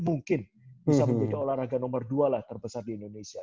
mungkin bisa menjadi olahraga nomor dua lah terbesar di indonesia